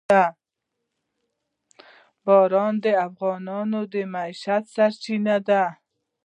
باران د افغانانو د معیشت سرچینه ده.